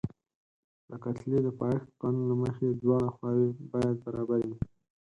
د کتلې د پایښت قانون له مخې دواړه خواوې باید برابرې وي.